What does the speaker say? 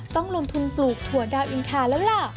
ต้องลงทุนปลูกถั่วดาวอินทาแล้วล่ะ